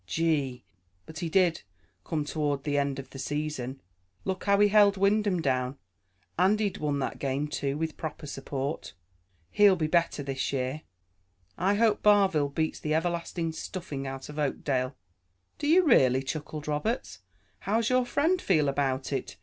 Gee! but he did come toward the end of the season. Look how he held Wyndham down; and he'd won that game, too, with proper support. He'll be better this year." "I hope Barville beats the everlasting stuffing out of Oakdale." "Do you really?" chuckled Roberts. "How's your friend feel about it?